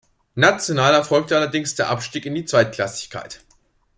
National erfolgte allerdings der Abstieg in die Zweitklassigkeit.